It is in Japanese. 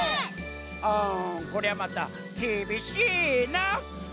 あこりゃまたきびしいなあ。